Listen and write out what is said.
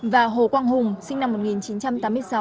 và hồ quang hùng sinh năm một nghìn chín trăm tám mươi sáu